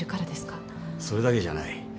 それだけじゃない。